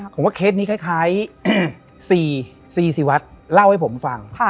ผมว่าเคสนี้คล้าย๔๔วัดเล่าให้ผมฟัง